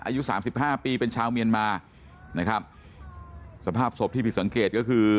อายุสามสิบห้าปีเป็นชาวเมียนมานะครับสภาพศพที่ผิดสังเกตก็คือ